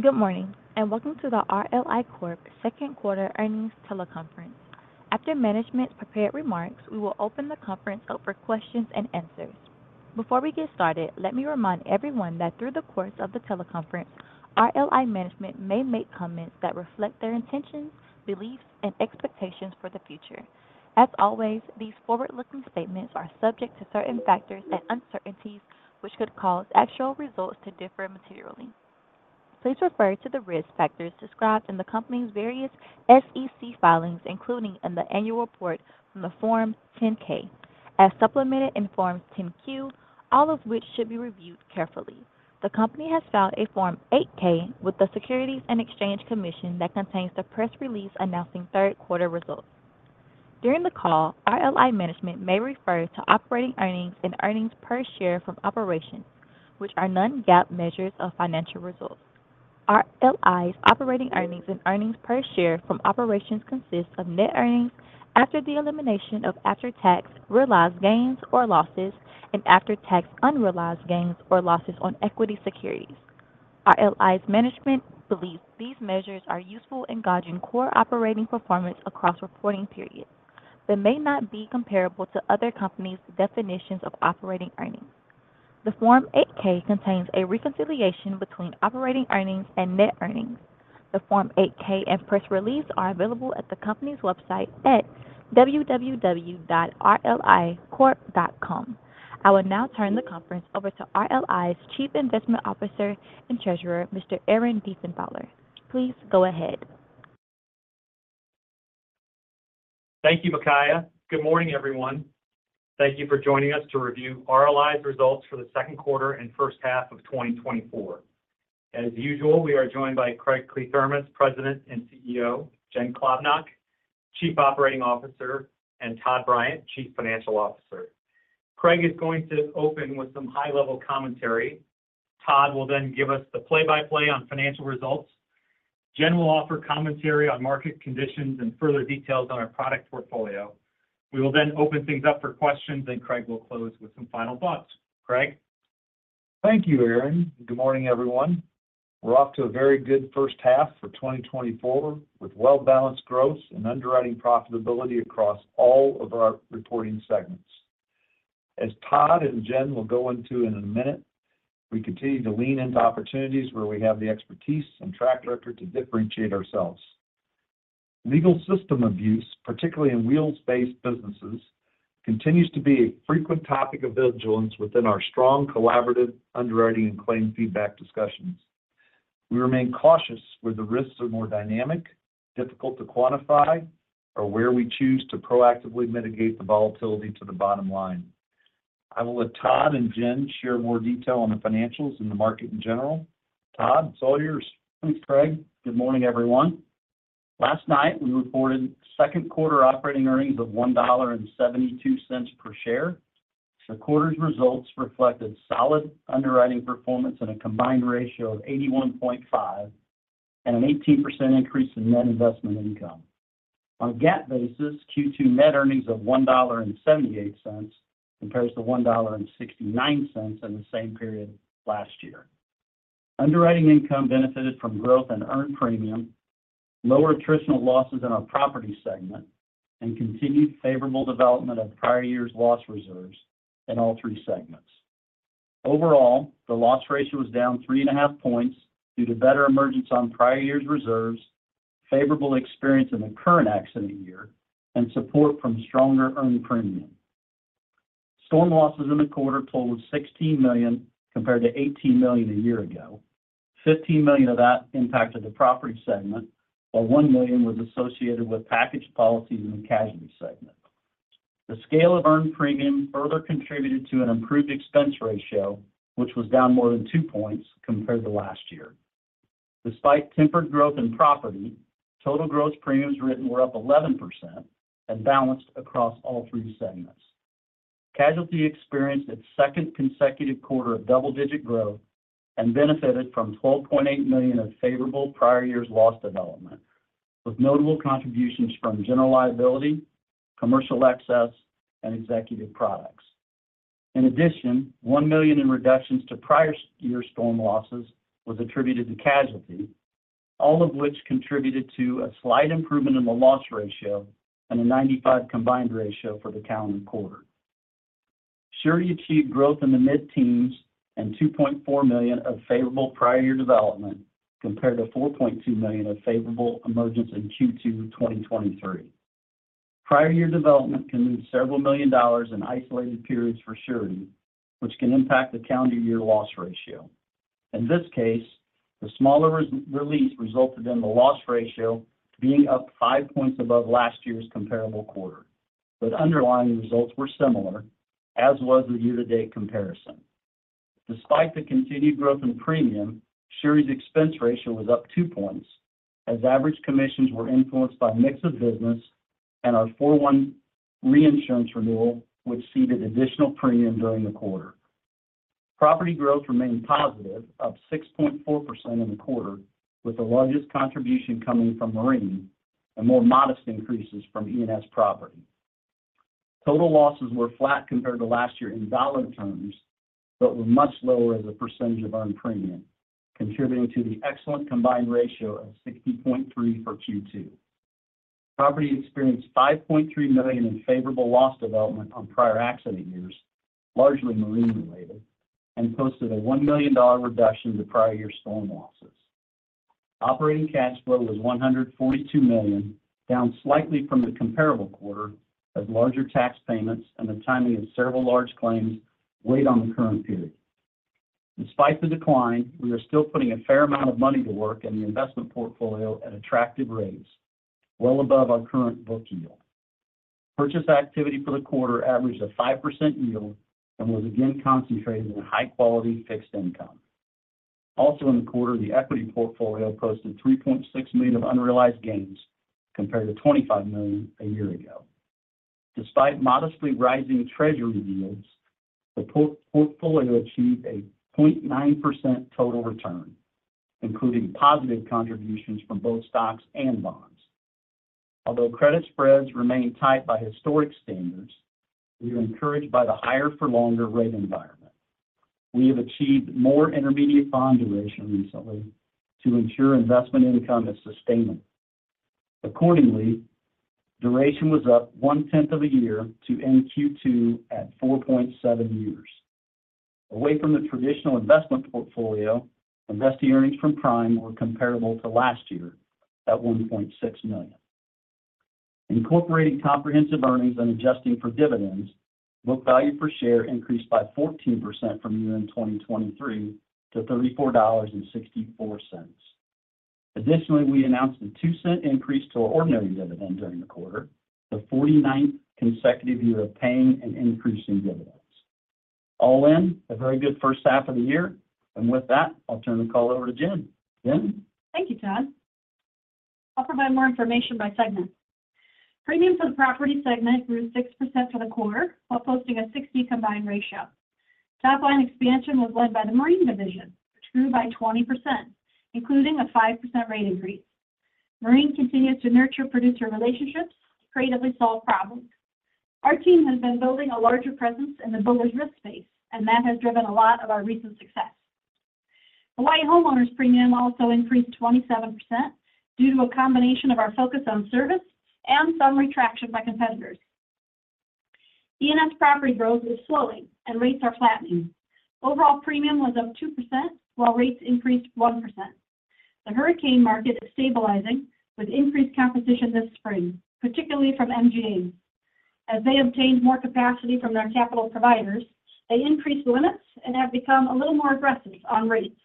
Good morning and welcome to the RLI Corp. Second Quarter Earnings Teleconference. After management prepared remarks, we will open the conference up for questions and answers. Before we get started, let me remind everyone that through the course of the teleconference, RLI management may make comments that reflect their intentions, beliefs, and expectations for the future. As always, these forward-looking statements are subject to certain factors and uncertainties, which could cause actual results to differ materially. Please refer to the risk factors described in the company's various SEC filings, including in the annual report from Form 10-K, as supplemented in Form 10-Q, all of which should be reviewed carefully. The company has filed a Form 8-K with the Securities and Exchange Commission that contains the press release announcing second quarter results. During the call, RLI management may refer to operating earnings and earnings per share from operations, which are Non-GAAP measures of financial results. RLI's operating earnings and earnings per share from operations consist of net earnings after the elimination of after-tax realized gains or losses and after-tax unrealized gains or losses on equity securities. RLI's management believes these measures are useful in gauging core operating performance across reporting periods but may not be comparable to other companies' definitions of operating earnings. The Form 8-K contains a reconciliation between operating earnings and net earnings. The Form 8-K and press release are available at the company's website at www.rlicorp.com. I will now turn the conference over to RLI's Chief Investment Officer and Treasurer, Mr. Aaron Diefenbacher. Please go ahead. Thank you, Makaya. Good morning, everyone. Thank you for joining us to review RLI's results for the second quarter and first half of 2024. As usual, we are joined by Craig Kliethermes, President and CEO, Jen Klobnak, Chief Operating Officer, and Todd Bryant, Chief Financial Officer. Craig is going to open with some high-level commentary. Todd will then give us the play-by-play on financial results. Jen will offer commentary on market conditions and further details on our product portfolio. We will then open things up for questions, and Craig will close with some final thoughts. Craig. Thank you, Aaron. Good morning, everyone. We're off to a very good first half for 2024 with well-balanced growth and underwriting profitability across all of our reporting segments. As Todd and Jen will go into in a minute, we continue to lean into opportunities where we have the expertise and track record to differentiate ourselves. Legal system abuse, particularly in wheels-based businesses, continues to be a frequent topic of vigilance within our strong collaborative underwriting and claim feedback discussions. We remain cautious where the risks are more dynamic, difficult to quantify, or where we choose to proactively mitigate the volatility to the bottom line. I will let Todd and Jen share more detail on the financials and the market in general. Todd, it's all yours. Thanks, Craig. Good morning, everyone. Last night, we reported second quarter operating earnings of $1.72 per share. The quarter's results reflected solid underwriting performance and a combined ratio of 81.5 and an 18% increase in net investment income. On a GAAP basis, Q2 net earnings of $1.78 compares to $1.69 in the same period last year. Underwriting income benefited from growth and earned premium, lower attritional losses in our property segment, and continued favorable development of prior year's loss reserves in all three segments. Overall, the loss ratio was down 3.5 points due to better emergence on prior year's reserves, favorable experience in the current accident year, and support from stronger earned premium. Storm losses in the quarter totaled $16 million compared to $18 million a year ago. $15 million of that impacted the property segment, while $1 million was associated with package policies in the casualty segment. The scale of earned premium further contributed to an improved expense ratio, which was down more than two points compared to last year. Despite tempered growth in property, total gross premiums written were up 11% and balanced across all three segments. Casualty experienced its second consecutive quarter of double-digit growth and benefited from $12.8 million of favorable prior year's loss development, with notable contributions from general liability, commercial excess, and executive products. In addition, $1 million in reductions to prior year's storm losses was attributed to casualty, all of which contributed to a slight improvement in the loss ratio and a 95 combined ratio for the calendar quarter. Surety achieved growth in the mid-teens and $2.4 million of favorable prior year development compared to $4.2 million of favorable emergence in Q2 2023. Prior year development can lose several million dollars in isolated periods for surety, which can impact the calendar year loss ratio. In this case, the smaller release resulted in the loss ratio being up five points above last year's comparable quarter, but underlying results were similar, as was the year-to-date comparison. Despite the continued growth in premium, Surety's expense ratio was up two points as average commissions were influenced by mix of business and our 4/1 reinsurance renewal, which ceded additional premium during the quarter. Property growth remained positive, up 6.4% in the quarter, with the largest contribution coming from Marine and more modest increases from E&S Property. Total losses were flat compared to last year in dollar terms but were much lower as a percentage of earned premium, contributing to the excellent combined ratio of 60.3% for Q2. Property experienced $5.3 million in favorable loss development on prior accident years, largely Marine-related, and posted a $1 million reduction to prior year's storm losses. Operating cash flow was $142 million, down slightly from the comparable quarter as larger tax payments and the timing of several large claims weighed on the current period. Despite the decline, we are still putting a fair amount of money to work in the investment portfolio at attractive rates, well above our current book yield. Purchase activity for the quarter averaged a 5% yield and was again concentrated in high-quality fixed income. Also, in the quarter, the equity portfolio posted $3.6 million of unrealized gains compared to $25 million a year ago. Despite modestly rising treasury yields, the portfolio achieved a 0.9% total return, including positive contributions from both stocks and bonds. Although credit spreads remain tight by historic standards, we are encouraged by the higher-for-longer rate environment. We have achieved more intermediate bond duration recently to ensure investment income is sustainable. Accordingly, duration was up one-tenth of a year to end Q2 at 4.7 years. Away from the traditional investment portfolio, investee earnings from Prime were comparable to last year at $1.6 million. Incorporating comprehensive earnings and adjusting for dividends, book value per share increased by 14% from year-end 2023 to $34.64. Additionally, we announced a $0.02 increase to our ordinary dividend during the quarter, the 49th consecutive year of paying and increasing dividends. All in, a very good first half of the year. And with that, I'll turn the call over to Jen. Jen? Thank you, Todd. I'll provide more information by segment. Premium for the property segment grew 6% for the quarter while posting a 60 combined ratio. Top-line expansion was led by the Marine division, which grew by 20%, including a 5% rate increase. Marine continues to nurture producer relationships, creatively solve problems. Our team has been building a larger presence in the builder's risk space, and that has driven a lot of our recent success. Hawaii Homeowners premium also increased 27% due to a combination of our focus on service and some retrenchment by competitors. E&S property growth is slowing, and rates are flattening. Overall premium was up 2%, while rates increased 1%. The hurricane market is stabilizing with increased competition this spring, particularly from MGAs. As they obtained more capacity from their capital providers, they increased limits and have become a little more aggressive on rates.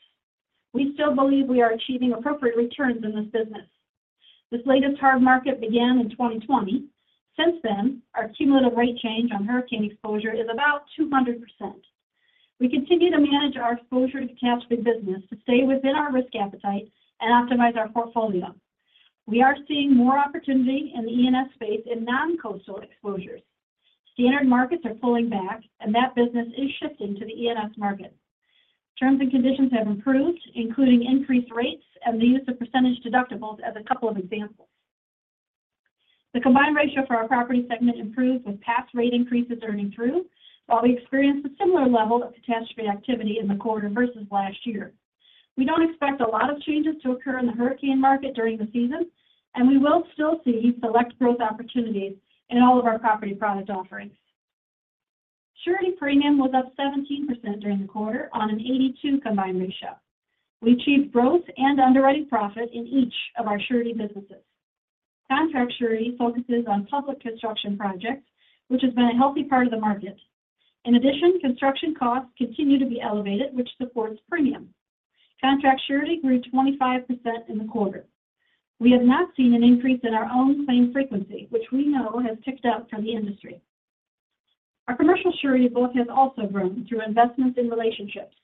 We still believe we are achieving appropriate returns in this business. This latest hard market began in 2020. Since then, our cumulative rate change on hurricane exposure is about 200%. We continue to manage our exposure to catastrophe business to stay within our risk appetite and optimize our portfolio. We are seeing more opportunity in the E&S space in non-coastal exposures. Standard markets are pulling back, and that business is shifting to the E&S market. Terms and conditions have improved, including increased rates and the use of percentage deductibles as a couple of examples. The combined ratio for our property segment improved with past rate increases earning through, while we experienced a similar level of catastrophe activity in the quarter versus last year. We don't expect a lot of changes to occur in the hurricane market during the season, and we will still see select growth opportunities in all of our property product offerings. Surety premium was up 17% during the quarter on an 82 combined ratio. We achieved growth and underwriting profit in each of our surety businesses. Contract surety focuses on public construction projects, which has been a healthy part of the market. In addition, construction costs continue to be elevated, which supports premium. Contract surety grew 25% in the quarter. We have not seen an increase in our own claim frequency, which we know has ticked up for the industry. Our commercial surety book has also grown through investments in relationships.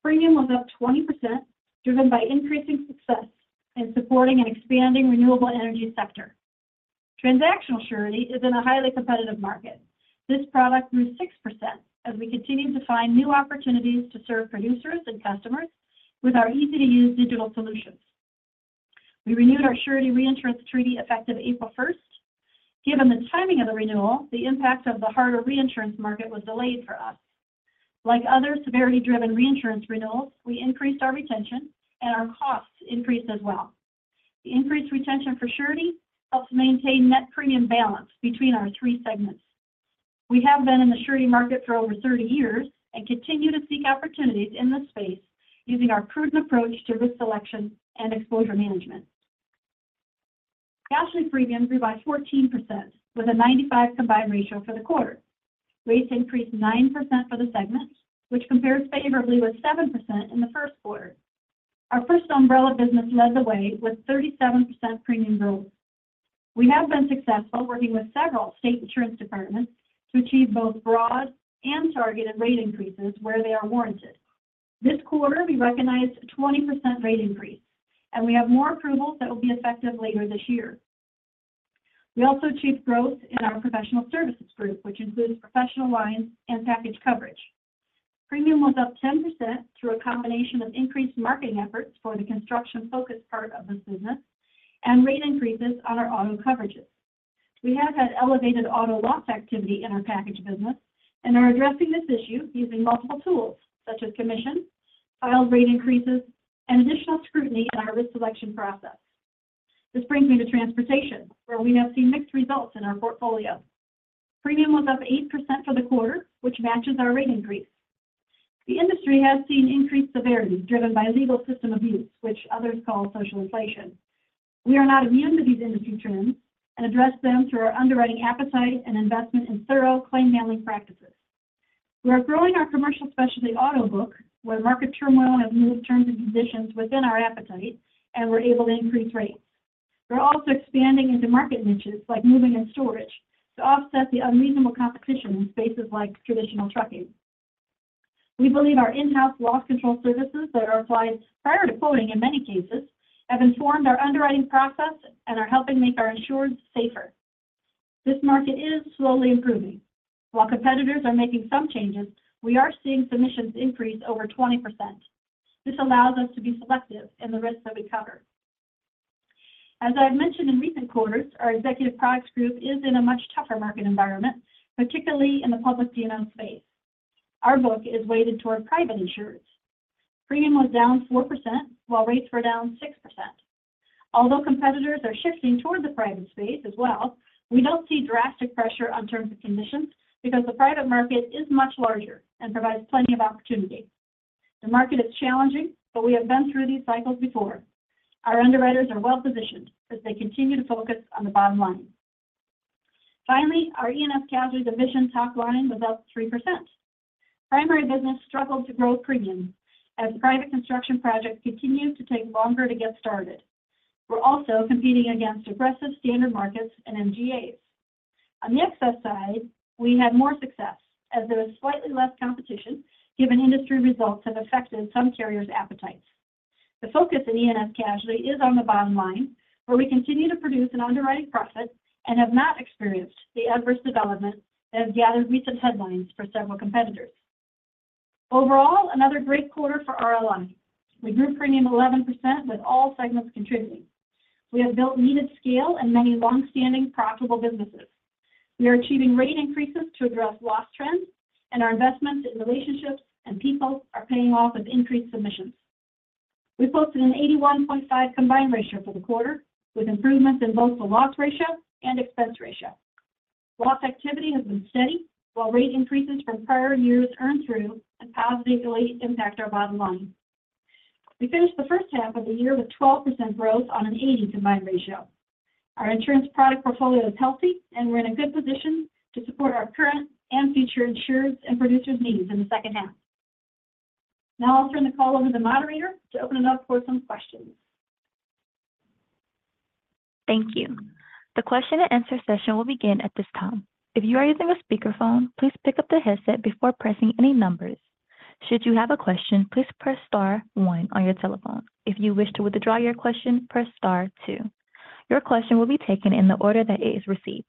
Premium was up 20%, driven by increasing success in supporting and expanding the renewable energy sector. Transactional surety is in a highly competitive market. This product grew 6% as we continue to find new opportunities to serve producers and customers with our easy-to-use digital solutions. We renewed our surety reinsurance treaty effective April 1st. Given the timing of the renewal, the impact of the harder reinsurance market was delayed for us. Like other severity-driven reinsurance renewals, we increased our retention, and our costs increased as well. The increased retention for surety helps maintain net premium balance between our three segments. We have been in the surety market for over 30 years and continue to seek opportunities in this space using our prudent approach to risk selection and exposure management. Casualty premium grew by 14% with a 95 combined ratio for the quarter. Rates increased 9% for the segment, which compares favorably with 7% in the first quarter. Our first umbrella business led the way with 37% premium growth. We have been successful working with several state insurance departments to achieve both broad and targeted rate increases where they are warranted. This quarter, we recognized a 20% rate increase, and we have more approvals that will be effective later this year. We also achieved growth in our professional services group, which includes professional lines and package coverage. Premium was up 10% through a combination of increased marketing efforts for the construction-focused part of this business and rate increases on our auto coverages. We have had elevated auto loss activity in our package business and are addressing this issue using multiple tools such as commission, filed rate increases, and additional scrutiny in our risk selection process. This brings me to transportation, where we have seen mixed results in our portfolio. Premium was up 8% for the quarter, which matches our rate increase. The industry has seen increased severity driven by legal system abuse, which others call social inflation. We are not immune to these industry trends and address them through our underwriting appetite and investment in thorough claim handling practices. We are growing our commercial specialty auto book, where market turmoil has moved terms and conditions within our appetite, and we're able to increase rates. We're also expanding into market niches like moving and storage to offset the unreasonable competition in spaces like traditional trucking. We believe our in-house loss control services that are applied prior to quoting in many cases have informed our underwriting process and are helping make our insured safer. This market is slowly improving. While competitors are making some changes, we are seeing submissions increase over 20%. This allows us to be selective in the risks that we cover. As I've mentioned in recent quarters, our executive products group is in a much tougher market environment, particularly in the public D&O space. Our book is weighted toward private insurers. Premium was down 4%, while rates were down 6%. Although competitors are shifting toward the private space as well, we don't see drastic pressure on terms and conditions because the private market is much larger and provides plenty of opportunity. The market is challenging, but we have been through these cycles before. Our underwriters are well-positioned as they continue to focus on the bottom line. Finally, our E&S casualty division top-line was up 3%. Primary business struggled to grow premiums as private construction projects continued to take longer to get started. We're also competing against aggressive standard markets and MGAs. On the excess side, we had more success as there was slightly less competition given industry results have affected some carriers' appetites. The focus in E&S casualty is on the bottom line, where we continue to produce an underwriting profit and have not experienced the adverse development that has gathered recent headlines for several competitors. Overall, another great quarter for RLI. We grew premium 11% with all segments contributing. We have built needed scale and many long-standing profitable businesses. We are achieving rate increases to address loss trends, and our investments in relationships and people are paying off with increased submissions. We posted an 81.5 combined ratio for the quarter with improvements in both the loss ratio and expense ratio. Loss activity has been steady, while rate increases from prior years earned through and positively impact our bottom line. We finished the first half of the year with 12% growth on an 80 combined ratio. Our insurance product portfolio is healthy, and we're in a good position to support our current and future insureds and producers' needs in the second half. Now I'll turn the call over to the moderator to open it up for some questions. Thank you. The question-and-answer session will begin at this time. If you are using a speakerphone, please pick up the headset before pressing any numbers. Should you have a question, please press star one on your telephone. If you wish to withdraw your question, press star two. Your question will be taken in the order that it is received.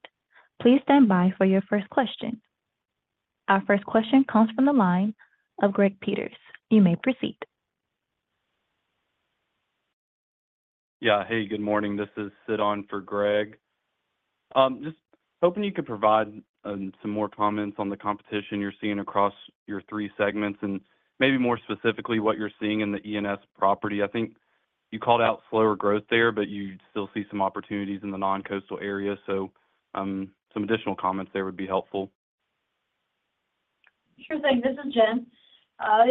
Please stand by for your first question. Our first question comes from the line of Greg Peters. You may proceed. Yeah. Hey, good morning. This is Sid on for Greg. Just hoping you could provide some more comments on the competition you're seeing across your three segments and maybe more specifically what you're seeing in the E&S property. I think you called out slower growth there, but you still see some opportunities in the non-coastal area. So some additional comments there would be helpful. Sure thing. This is Jen.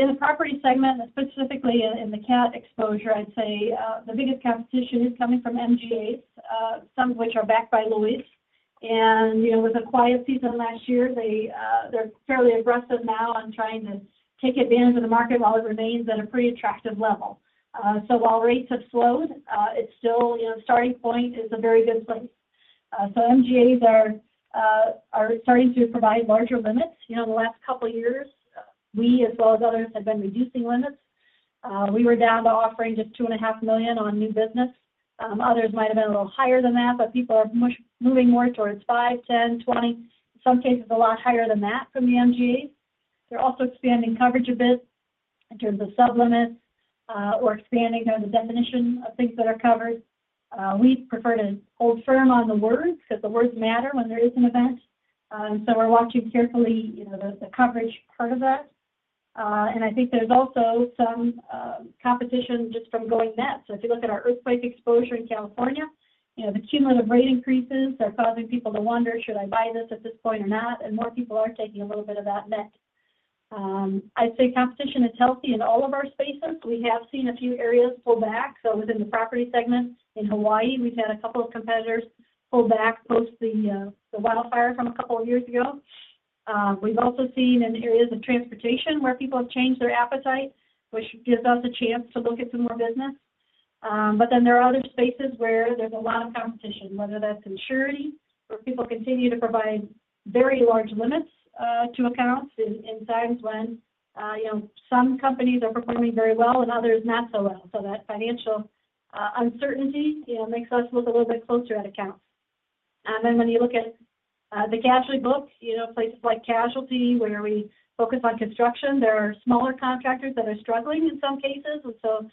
In the property segment, specifically in the cat exposure, I'd say the biggest competition is coming from MGAs, some of which are backed by Lloyd's. And with a quiet season last year, they're fairly aggressive now on trying to take advantage of the market while it remains at a pretty attractive level. So while rates have slowed, it's still a starting point. It's a very good place. So MGAs are starting to provide larger limits. The last couple of years, we, as well as others, have been reducing limits. We were down to offering just $2.5 million on new business. Others might have been a little higher than that, but people are moving more towards $5 million, $10 million, $20 million, in some cases a lot higher than that from the MGAs. They're also expanding coverage a bit in terms of sub-limits or expanding the definition of things that are covered. We prefer to hold firm on the words because the words matter when there is an event. And so we're watching carefully the coverage part of that. And I think there's also some competition just from going net. So if you look at our earthquake exposure in California, the cumulative rate increases are causing people to wonder, "Should I buy this at this point or not?" And more people are taking a little bit of that net. I'd say competition is healthy in all of our spaces. We have seen a few areas pull back. So within the property segment in Hawaii, we've had a couple of competitors pull back post the wildfire from a couple of years ago. We've also seen in areas of transportation where people have changed their appetite, which gives us a chance to look at some more business. But then there are other spaces where there's a lot of competition, whether that's surety, where people continue to provide very large limits to accounts in times when some companies are performing very well and others not so well. So that financial uncertainty makes us look a little bit closer at accounts. And then when you look at the casualty book, places like casualty, where we focus on construction, there are smaller contractors that are struggling in some cases. And so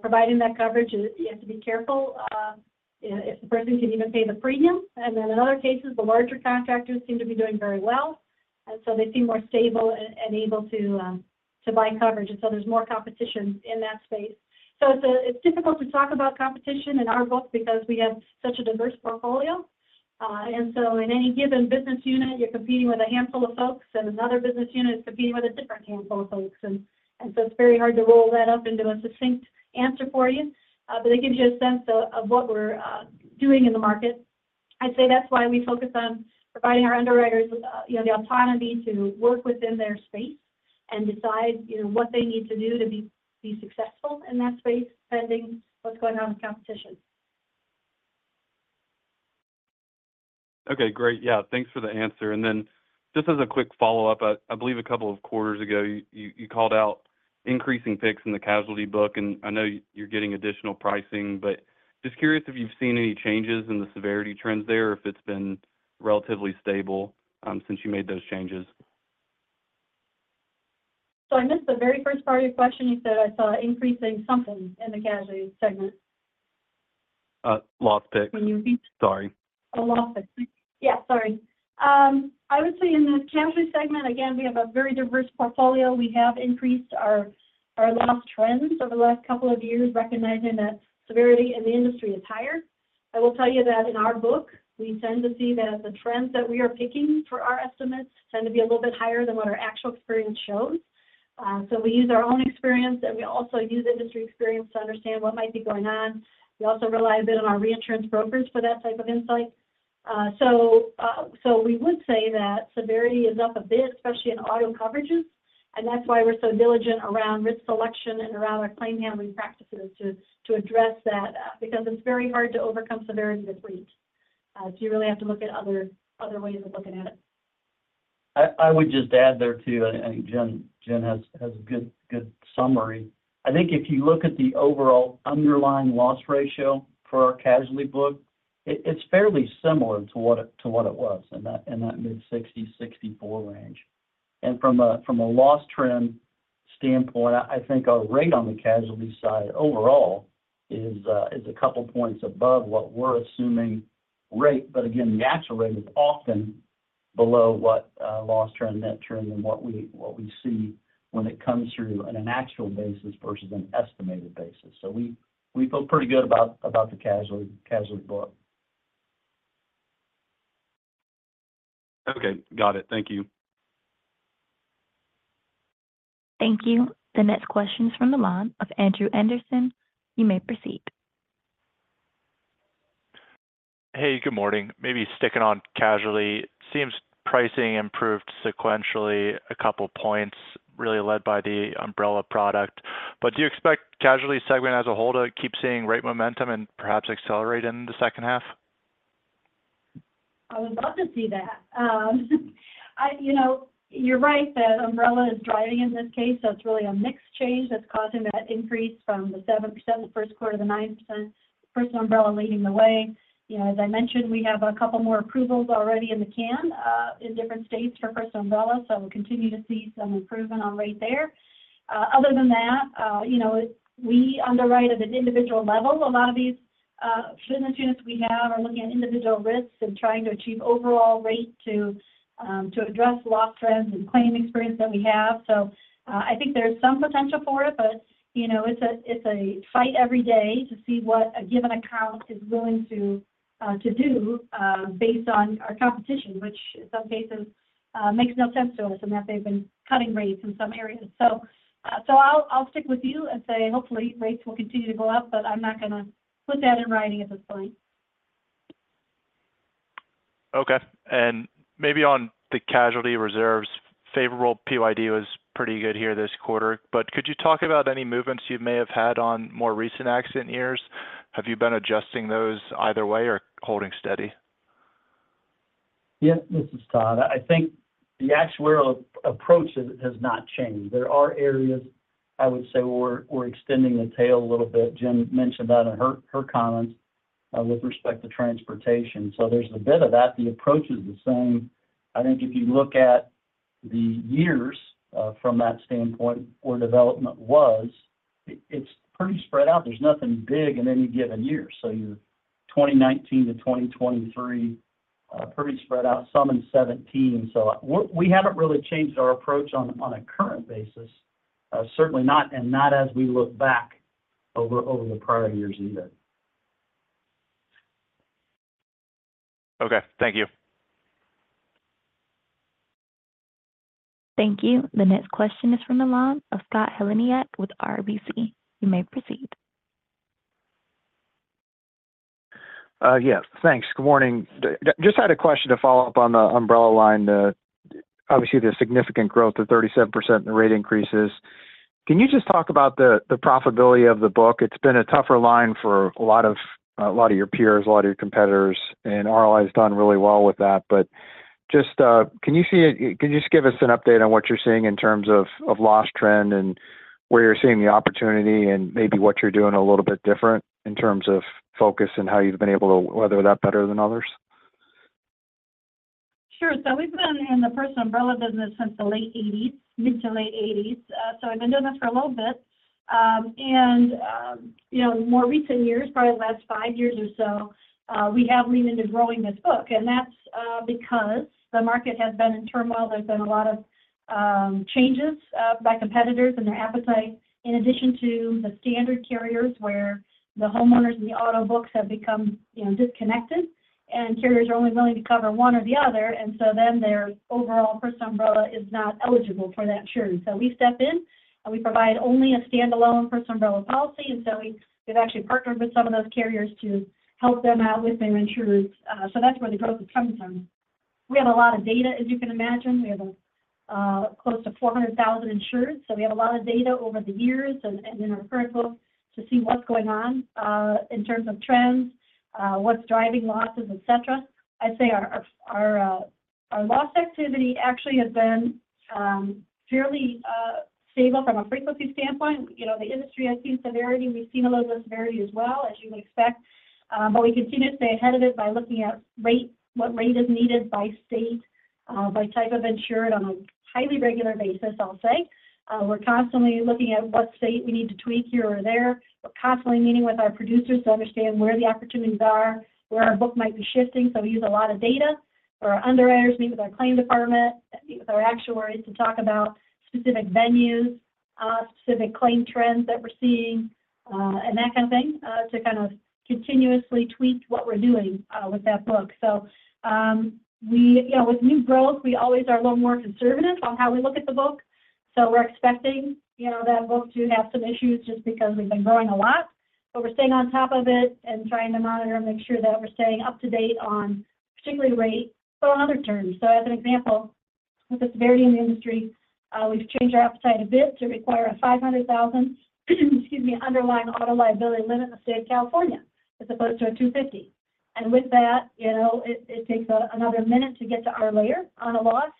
providing that coverage, you have to be careful if the person can even pay the premium. And then in other cases, the larger contractors seem to be doing very well. And so they seem more stable and able to buy coverage. There's more competition in that space. It's difficult to talk about competition in our book because we have such a diverse portfolio. In any given business unit, you're competing with a handful of folks, and another business unit is competing with a different handful of folks. It's very hard to roll that up into a succinct answer for you, but it gives you a sense of what we're doing in the market. I'd say that's why we focus on providing our underwriters the autonomy to work within their space and decide what they need to do to be successful in that space, pending what's going on with competition. Okay. Great. Yeah. Thanks for the answer. And then just as a quick follow-up, I believe a couple of quarters ago, you called out increasing picks in the casualty book, and I know you're getting additional pricing, but just curious if you've seen any changes in the severity trends there, if it's been relatively stable since you made those changes. So I missed the very first part of your question. You said I saw increasing something in the casualty segment. Loss picks. When you repeat that? Sorry. Oh, loss picks. Yeah. Sorry. I would say in the casualty segment, again, we have a very diverse portfolio. We have increased our loss trends over the last couple of years, recognizing that severity in the industry is higher. I will tell you that in our book, we tend to see that the trends that we are picking for our estimates tend to be a little bit higher than what our actual experience shows. So we use our own experience, and we also use industry experience to understand what might be going on. We also rely a bit on our reinsurance brokers for that type of insight. So we would say that severity is up a bit, especially in auto coverages. And that's why we're so diligent around risk selection and around our claim handling practices to address that because it's very hard to overcome severity with rates. You really have to look at other ways of looking at it. I would just add there too, and Jen has a good summary. I think if you look at the overall underlying loss ratio for our casualty book, it's fairly similar to what it was in that mid-60s, 64 range. And from a loss trend standpoint, I think our rate on the casualty side overall is a couple of points above what we're assuming rate. But again, the actual rate is often below what loss trend, net trend, and what we see when it comes through on an actual basis versus an estimated basis. So we feel pretty good about the casualty book. Okay. Got it. Thank you. Thank you. The next question is from the line of Andrew Anderson. You may proceed. Hey, good morning. Maybe sticking on casualty. It seems pricing improved sequentially a couple of points, really led by the umbrella product. But do you expect casualty segment as a whole to keep seeing rate momentum and perhaps accelerate in the second half? I would love to see that. You're right that umbrella is driving in this case. That's really a mixed change that's causing that increase from the 7% in the first quarter to the 9%. First umbrella leading the way. As I mentioned, we have a couple more approvals already in the can in different states for first umbrella. So we'll continue to see some improvement on rate there. Other than that, we underwrite at an individual level. A lot of these business units we have are looking at individual risks and trying to achieve overall rate to address loss trends and claim experience that we have. So I think there's some potential for it, but it's a fight every day to see what a given account is willing to do based on our competition, which in some cases makes no sense to us in that they've been cutting rates in some areas. So I'll stick with you and say hopefully rates will continue to go up, but I'm not going to put that in writing at this point. Okay. And maybe on the casualty reserves, favorable PYD was pretty good here this quarter. But could you talk about any movements you may have had on more recent accident years? Have you been adjusting those either way or holding steady? Yeah. This is Todd. I think the actual approach has not changed. There are areas, I would say, where we're extending the tail a little bit. Jen mentioned that in her comments with respect to transportation. So there's a bit of that. The approach is the same. I think if you look at the years from that standpoint, where development was, it's pretty spread out. There's nothing big in any given year. So you're 2019 to 2023, pretty spread out, some in 2017. So we haven't really changed our approach on a current basis, certainly not, and not as we look back over the prior years either. Okay. Thank you. Thank you. The next question is from the line of Scott Heleniak with RBC. You may proceed. Yes. Thanks. Good morning. Just had a question to follow up on the umbrella line. Obviously, there's significant growth of 37% in the rate increases. Can you just talk about the profitability of the book? It's been a tougher line for a lot of your peers, a lot of your competitors, and RLI has done really well with that. But just can you just give us an update on what you're seeing in terms of loss trend and where you're seeing the opportunity and maybe what you're doing a little bit different in terms of focus and how you've been able to weather that better than others? Sure. So we've been in the first umbrella business since the late 1980s, mid- to late 1980s. So I've been doing this for a little bit. And in more recent years, probably the last five years or so, we have leaned into growing this book. And that's because the market has been in turmoil. There's been a lot of changes by competitors and their appetite, in addition to the standard carriers where the homeowners and the auto books have become disconnected, and carriers are only willing to cover one or the other. And so then their overall first umbrella is not eligible for that insurance. So we step in, and we provide only a standalone first umbrella policy. And so we've actually partnered with some of those carriers to help them out with their insurance. So that's where the growth is coming from. We have a lot of data, as you can imagine. We have close to 400,000 insureds. So we have a lot of data over the years and in our current book to see what's going on in terms of trends, what's driving losses, etc. I'd say our loss activity actually has been fairly stable from a frequency standpoint. The industry has seen severity. We've seen a little bit of severity as well, as you would expect. But we continue to stay ahead of it by looking at what rate is needed by state, by type of insured on a highly regular basis, I'll say. We're constantly looking at what state we need to tweak here or there. We're constantly meeting with our producers to understand where the opportunities are, where our book might be shifting. So we use a lot of data for our underwriters, meet with our claim department, meet with our actuaries to talk about specific venues, specific claim trends that we're seeing, and that kind of thing to kind of continuously tweak what we're doing with that book. So with new growth, we always are a little more conservative on how we look at the book. So we're expecting that book to have some issues just because we've been growing a lot. But we're staying on top of it and trying to monitor and make sure that we're staying up to date on particularly rate, but on other terms. So as an example, with the severity in the industry, we've changed our appetite a bit to require a $500,000, excuse me, underlying auto liability limit in the state of California as opposed to a $250,000. With that, it takes another minute to get to our layer on a loss.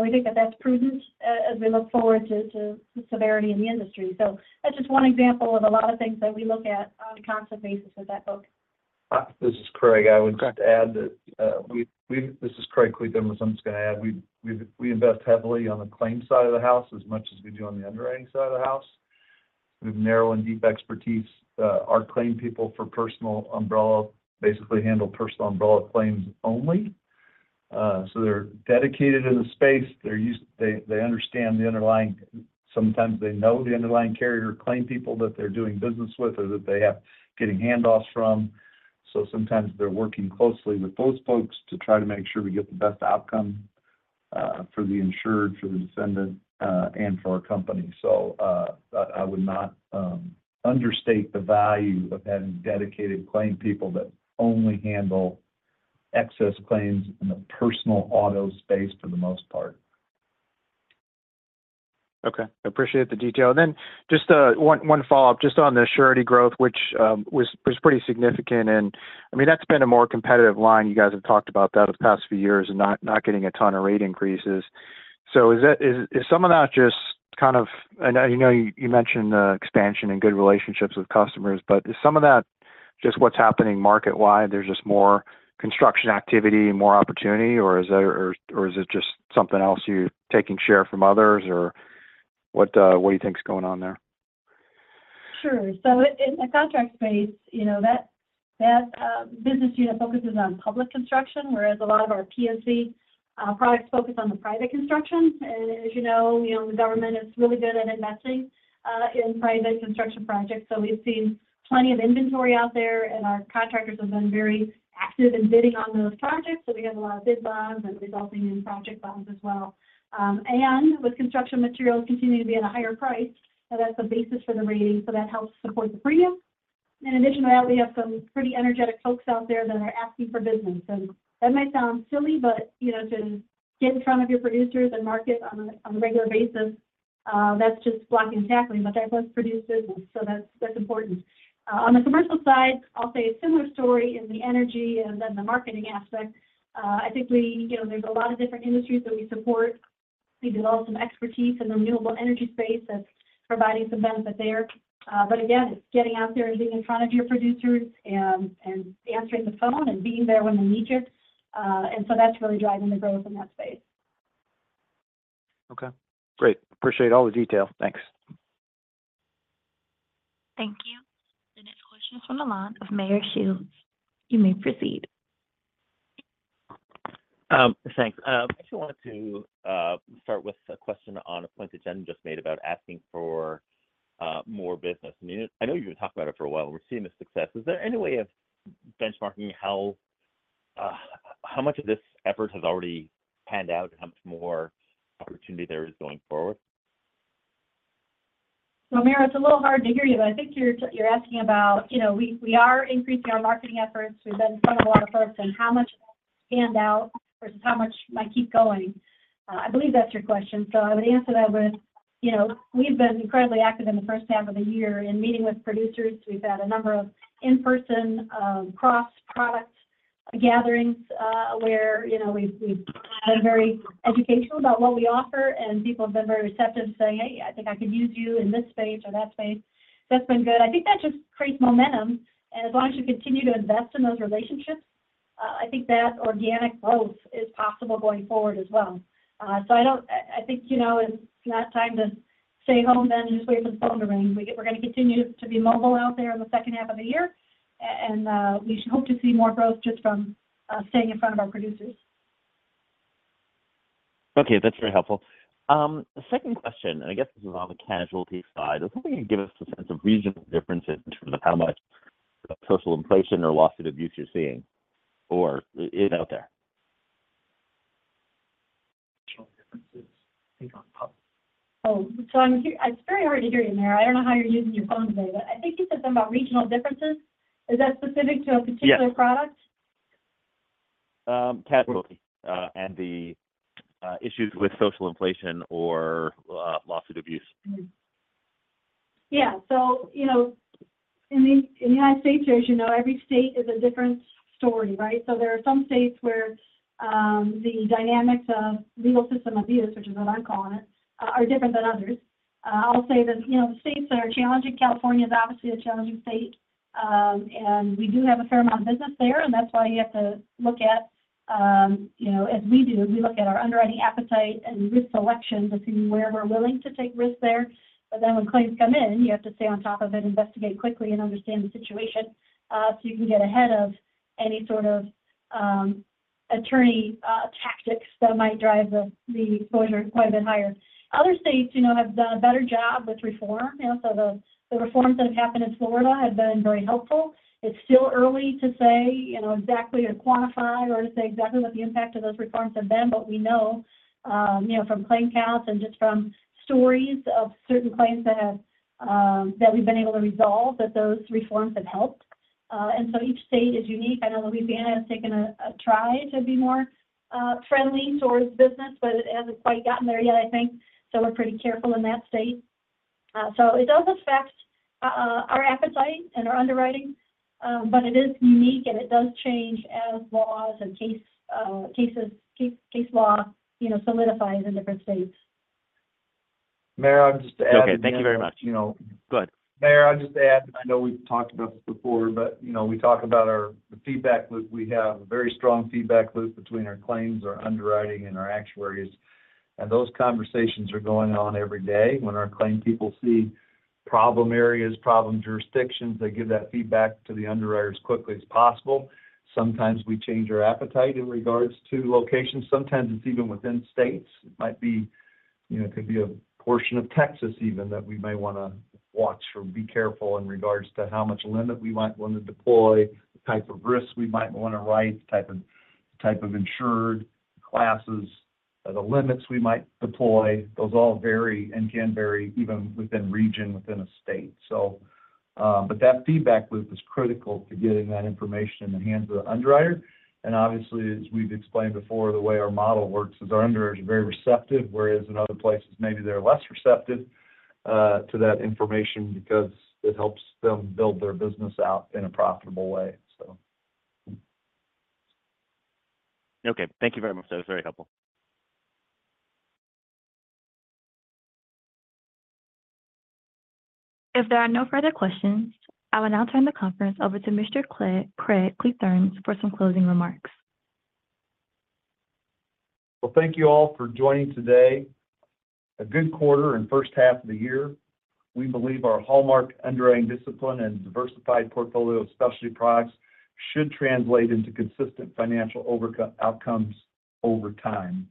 We think that that's prudent as we look forward to severity in the industry. That's just one example of a lot of things that we look at on a constant basis with that book. This is Craig Kliethermes. I would just add that we invest heavily on the claim side of the house as much as we do on the underwriting side of the house. We have narrow and deep expertise. Our claim people for personal umbrella basically handle personal umbrella claims only. So they're dedicated in the space. They understand the underlying. Sometimes they know the underlying carrier claim people that they're doing business with or that they're getting handoffs from. So sometimes they're working closely with those folks to try to make sure we get the best outcome for the insured, for the defendant, and for our company. So I would not understate the value of having dedicated claim people that only handle excess claims in the personal auto space for the most part. Okay. Appreciate the detail. And then just one follow-up just on the surety growth, which was pretty significant. And I mean, that's been a more competitive line. You guys have talked about that over the past few years and not getting a ton of rate increases. So is some of that just kind of I know you mentioned the expansion and good relationships with customers, but is some of that just what's happening market-wide? There's just more construction activity and more opportunity, or is it just something else you're taking share from others, or what do you think is going on there? Sure. So in the contract space, that business unit focuses on public construction, whereas a lot of our POC products focus on the private construction. And as you know, the government is really good at investing in private construction projects. So we've seen plenty of inventory out there, and our contractors have been very active in bidding on those projects. So we have a lot of bid bonds and resulting in project bonds as well. And with construction materials continuing to be at a higher price, that's the basis for the rating. So that helps support the premium. In addition to that, we have some pretty energetic folks out there that are asking for business. And that might sound silly, but to get in front of your producers and market on a regular basis, that's just blocking tackling, but that does produce business. So that's important. On the commercial side, I'll say a similar story in the energy and then the marketing aspect. I think there's a lot of different industries that we support. We develop some expertise in the renewable energy space that's providing some benefit there. But again, it's getting out there and being in front of your producers and answering the phone and being there when they need you. And so that's really driving the growth in that space. Okay. Great. Appreciate all the detail. Thanks. Thank you. The next question is from the line of Meyer Shields. You may proceed. Thanks. I actually wanted to start with a question on a point that Jen just made about asking for more business. I mean, I know you've been talking about it for a while. We're seeing the success. Is there any way of benchmarking how much of this effort has already panned out and how much more opportunity there is going forward? So Meyer, it's a little hard to hear you. But I think you're asking about we are increasing our marketing efforts. We've been in front of a lot of folks. And how much of that panned out versus how much might keep going? I believe that's your question. So I would answer that with we've been incredibly active in the first half of the year in meeting with producers. We've had a number of in-person cross-product gatherings where we've been very educational about what we offer. And people have been very receptive to say, "Hey, I think I could use you in this space or that space." So that's been good. I think that just creates momentum. And as long as you continue to invest in those relationships, I think that organic growth is possible going forward as well. I think it's not time to stay home then and just wait for the phone to ring. We're going to continue to be mobile out there in the second half of the year. We hope to see more growth just from staying in front of our producers. Okay. That's very helpful. Second question. And I guess this is on the casualty side. Is there something you can give us a sense of regional differences in terms of how much social inflation or legal system abuse you're seeing or is out there? Regional differences. I think on public. Oh, so it's very hard to hear you, Meyer. I don't know how you're using your phone today. But I think you said something about regional differences. Is that specific to a particular product? Yeah. Cat. And the issues with social inflation or legal system abuse. Yeah. So in the United States, as you know, every state is a different story, right? So there are some states where the dynamics of legal system abuse, which is what I'm calling it, are different than others. I'll say that the states that are challenging, California is obviously a challenging state. And we do have a fair amount of business there. And that's why you have to look at, as we do, we look at our underwriting appetite and risk selection to see where we're willing to take risks there. But then when claims come in, you have to stay on top of it, investigate quickly, and understand the situation so you can get ahead of any sort of attorney tactics that might drive the exposure quite a bit higher. Other states have done a better job with reform. So the reforms that have happened in Florida have been very helpful. It's still early to say exactly or quantify or to say exactly what the impact of those reforms have been. But we know from claim counts and just from stories of certain claims that we've been able to resolve that those reforms have helped. And so each state is unique. I know Louisiana has taken a try to be more friendly towards business, but it hasn't quite gotten there yet, I think. So we're pretty careful in that state. So it does affect our appetite and our underwriting. But it is unique, and it does change as laws and case law solidifies in different states. Meyer, I'm just to add. Okay. Thank you very much. Go ahead. Meyer, I'll just add, and I know we've talked about this before, but we talk about the feedback loop. We have a very strong feedback loop between our claims, our underwriting, and our actuaries. Those conversations are going on every day. When our claim people see problem areas, problem jurisdictions, they give that feedback to the underwriters as quickly as possible. Sometimes we change our appetite in regards to locations. Sometimes it's even within states. It might be it could be a portion of Texas even that we may want to watch or be careful in regards to how much limit we might want to deploy, the type of risk we might want to write, the type of insured classes, the limits we might deploy. Those all vary and can vary even within region, within a state. But that feedback loop is critical to getting that information in the hands of the underwriter. And obviously, as we've explained before, the way our model works is our underwriters are very receptive, whereas in other places, maybe they're less receptive to that information because it helps them build their business out in a profitable way, so. Okay. Thank you very much. That was very helpful. If there are no further questions, I will now turn the conference over to Mr. Craig Kliethermes for some closing remarks. Well, thank you all for joining today. A good quarter and first half of the year, we believe our hallmark underwriting discipline and diversified portfolio of specialty products should translate into consistent financial outcomes over time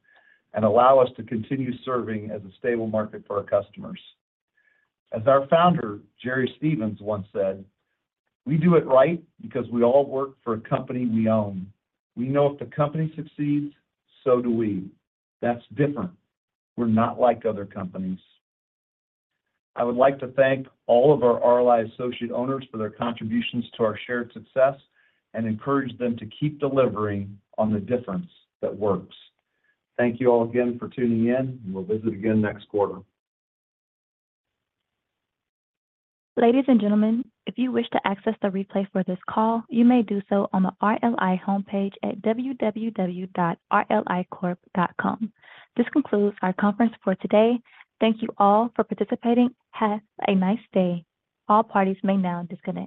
and allow us to continue serving as a stable market for our customers. As our founder, Jerry Stephens, once said, "We do it right because we all work for a company we own. We know if the company succeeds, so do we. That's different. We're not like other companies." I would like to thank all of our RLI Associate owners for their contributions to our shared success and encourage them to keep delivering on the difference that works. Thank you all again for tuning in. We'll visit again next quarter. Ladies and gentlemen, if you wish to access the replay for this call, you may do so on the RLI homepage at www.rlicorp.com. This concludes our conference for today. Thank you all for participating. Have a nice day. All parties may now disconnect.